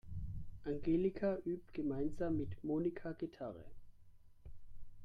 Annika übt gemeinsam mit Monika Gitarre.